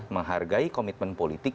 menghargai komitmen politik